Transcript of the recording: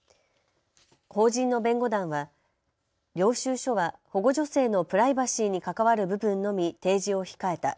法人の弁護団は領収書は保護女性のプライバシーに関わる部分のみ提示を控えた。